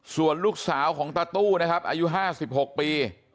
ส่วนลูกสาวของตาตู้นะครับอายุห้าสิบหกปี